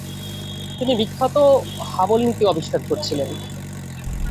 তিনি বিখ্যাত হাবল নীতিও আবিষ্কার করেছিলেন।